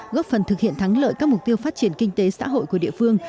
góp phần thực hiện thắng lợi các mục tiêu phát triển kinh tế xã hội của địa phương